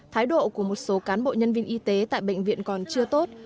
thái độ của một số cán bộ nhân viên y tế tại bệnh viện còn chưa tốt